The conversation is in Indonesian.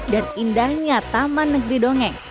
dan indahnya taman negeri dongeng